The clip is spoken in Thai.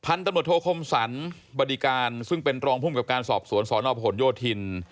พันธุ์ตำรวจโทษคมสรรค์บริการซึ่งเป็นรองพุ่มกับการสอบสวนสนโยธิน